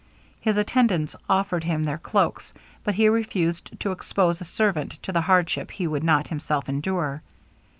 His attendants offered him their cloaks, but he refused to expose a servant to the hardship he would not himself endure.